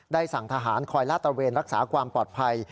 สั่งทหารคอยลาดตระเวนรักษาความปลอดภัย